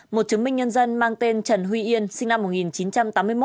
một chứng minh nhân dân mang tên trần huy yên sinh năm một nghìn chín trăm tám mươi một